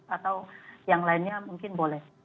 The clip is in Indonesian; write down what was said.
atau yang lainnya mungkin boleh